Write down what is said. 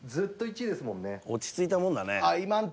落ち着いたもんだね。